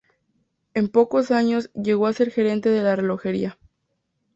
En pocos años llegó a ser gerente de la relojería.